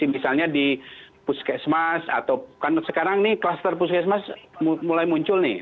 misalnya di puskesmas atau kan sekarang nih kluster puskesmas mulai muncul nih